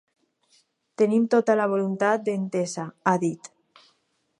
Tenim tota la voluntat d’entesa, ha dit.